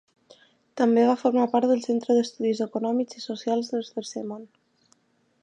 També va formar part del Centre d'Estudis Econòmics i Socials del Tercer Món.